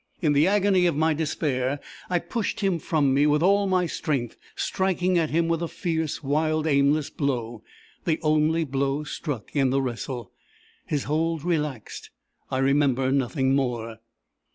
In the agony of my despair, I pushed him from me with all my strength, striking at him a fierce, wild, aimless blow the only blow struck in the wrestle. His hold relaxed. I remember nothing more."